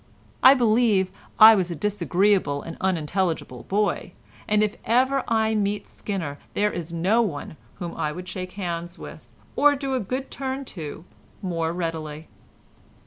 I believe I was a disagreeable and unintelligible boy, and if ever I meet Skinner there is no one whom I would shake hands with, or do a good turn to more readily."